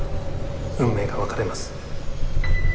運命が分かれます。